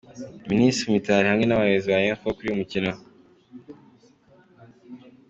Ministre Mitali hamwe n’abayobozi ba Rayon Sports kuri uyu mukino.